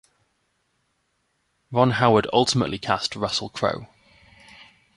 Ron Howard ultimately cast Russell Crowe.